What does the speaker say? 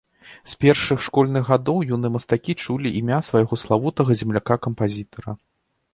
З першых школьных гадоў юныя мастакі чулі імя свайго славутага земляка-кампазітара.